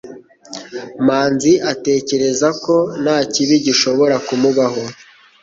Manzi atekereza ko nta kibi gishobora kumubaho.